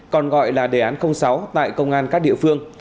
còn gọi là đề án sáu tại công an các địa phương